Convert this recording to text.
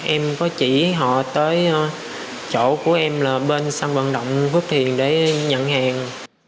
em có chỉ họ tới chỗ của em là bên xong vận động phước thiền để nhận hàng